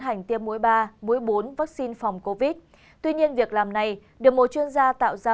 hành tiêm mũi ba mũi bốn vaccine phòng covid tuy nhiên việc làm này được một chuyên gia tạo ra